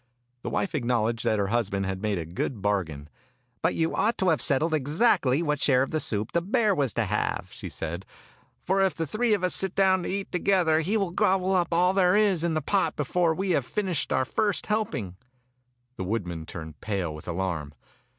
The wife acknowledged that her husband had made a good bargain. "But you ought to have settled exactly what share of the THE OLD WOODMAN TALKS WITH THE BEAR 105 Fairy Tale Bears soup the bear was to have," she said; "for if the three of us sit down to eat together he will gobble up all there is in the pot before we have finished our first helping." The woodman turned pale with alarm.